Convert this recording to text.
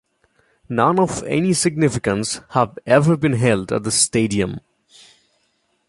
None of any significance have ever been held at the stadium.